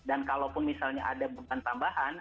dan kalau pun misalnya ada beban tambahan